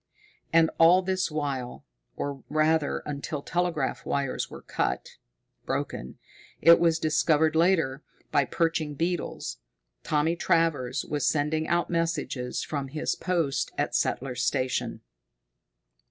And all this while or, rather, until the telegraph wires were cut broken, it was discovered later, by perching beetles Thomas Travers was sending out messages from his post at Settler's Station.